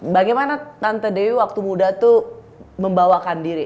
bagaimana tante dewi waktu muda tuh membawakan diri